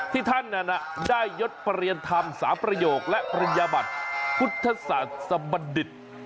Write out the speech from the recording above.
ที่ท่านนั้นได้ยดประเรียนธรรม๓ประโยคและปริญญาบัติพุทธศาสบัณฑิต